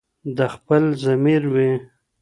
د خپل ضمیر وي